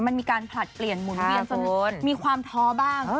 มันมีการผลัดเปลี่ยนหมุนเวียนจนมีความท้อบ้าง